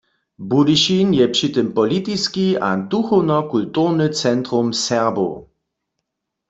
Budyšin je při tym politiski a duchowno-kulturny centrum Serbow.